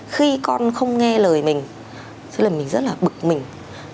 khi con không nghe lời mình tức là mình rất là bực mình